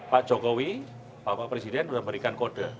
pak jokowi bapak presiden sudah memberikan kode